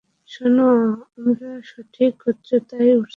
শোনো, আমরা সঠিক উচ্চতায় উড়ছি।